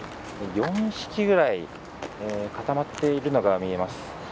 ４匹ぐらい固まっているのが見えます。